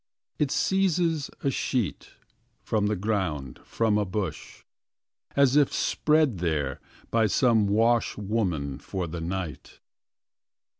It seizes a sheet— from the ground, from a bush— as if spread there by some wash woman for the night.